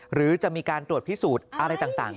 หรือจะมีการตรวจพิสูจน์อะไรต่าง